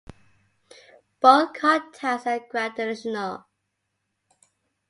Both contacts are gradational.